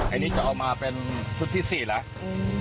อันนี้จะเอามาเป็นชุดที่๔แล้ว